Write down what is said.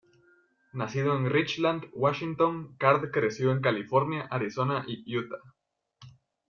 Nacido en Richland, Washington, Card creció en California, Arizona y Utah.